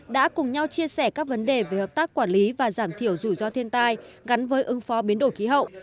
đã cùng nhau chia sẻ các vấn đề về hợp tác quản lý và giảm thiểu rủi ro thiên tai gắn với ứng phó biến đổi khí hậu